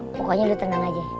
pokoknya lu tenang aja